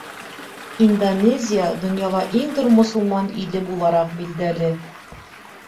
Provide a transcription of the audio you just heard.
Индонезия донъяла иң ҙур мосолман иле булараҡ билдәле.